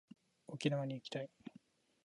沖縄に行きたい